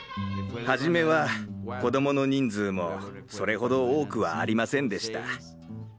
初めは子どもの人数もそれほど多くはありませんでした。